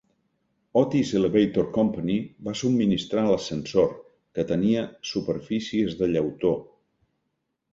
Otis Elevator Company va subministrar l'ascensor, que tenia superfícies de llautó